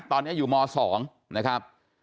ตอนนี้อยู่ม๒นะครับ